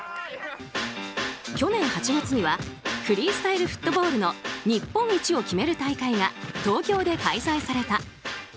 去年８月にはフリースタイルフットボールの日本一を決める大会が東京で開催された。